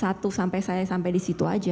satu sampai saya sampai di situ aja